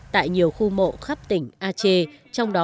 tại nhiều khu mộ khắp tỉnh aceh